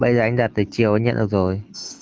bây giờ anh đặt tới chiều anh nhận được rồi